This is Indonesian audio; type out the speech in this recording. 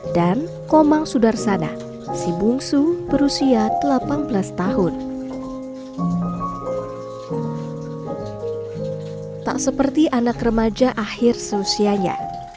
dan komang sudarsana sibungsu berusia delapan belas tahun tak seperti anak remaja akhir seusianya